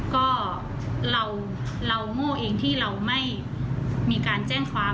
ก็เราโง่เองที่เราไม่มีการแจ้งความ